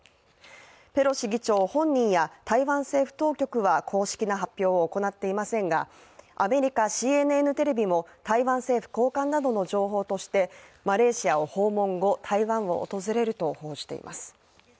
ペロシ議長本人や台湾政府当局は公式な発表を行っていませんがアメリカＣＮＮテレビも台湾政府高官などの情報として、マレーシアを訪問後、台湾を訪れると報じています。